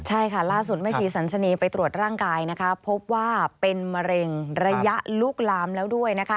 ใช่ค่ะล่าสุดแม่ชีสันสนีไปตรวจร่างกายนะคะพบว่าเป็นมะเร็งระยะลุกลามแล้วด้วยนะคะ